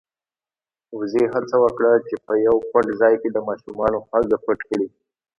وزې هڅه وکړه چې په يو پټ ځای کې د ماشومانو خواږه پټ کړي.